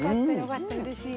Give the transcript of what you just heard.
うれしいね。